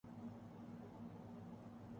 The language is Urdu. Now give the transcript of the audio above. یہ انجام اگر سامنے ہے۔